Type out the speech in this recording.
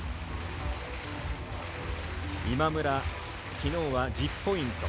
今村きのうは１０ポイント。